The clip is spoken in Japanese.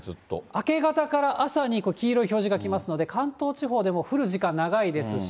明け方から朝に黄色い表示が来ますので、関東地方でも降る時間、長いですし、